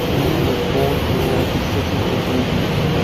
Green was born in Atlantic City, New Jersey.